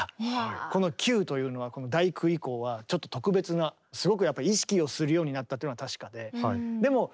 この「９」というのは「第九」以降はちょっと特別なすごくやっぱり意識をするようになったっていうのは確かで。